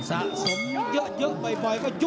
สะสมเยอะบ่อยก็ยุบได้เหมือนกันนะครับยกสาม